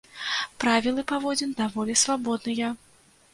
Правілы паводзін даволі свабодныя.